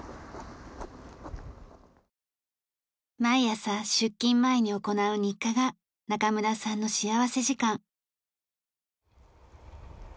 毎朝出勤前に行う日課が中村さんの幸福時間。